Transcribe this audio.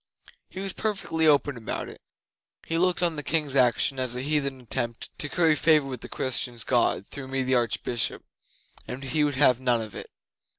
He was perfectly open about it. He looked on the King's action as a heathen attempt to curry favour with the Christians' God through me the Archbishop, and he would have none of it.